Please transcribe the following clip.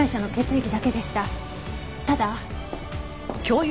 ただ。